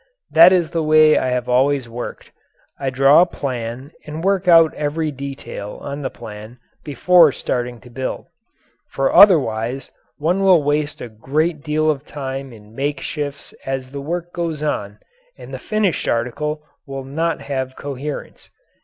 That is the way I have always worked. I draw a plan and work out every detail on the plan before starting to build. For otherwise one will waste a great deal of time in makeshifts as the work goes on and the finished article will not have coherence.